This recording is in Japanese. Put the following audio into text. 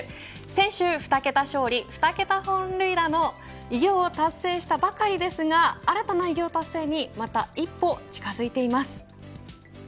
先週２桁勝利２桁本塁打の偉業を達成したばかりですが新たな偉業達成にまた一歩、近づいています。